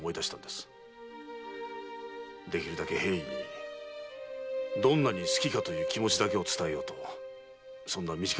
できるだけ平易にどんなに好きかという気持ちだけを伝えようとそんな短い手紙に。